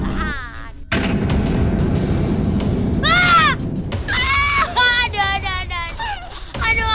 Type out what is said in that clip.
diajak ngobrol dia nggak ada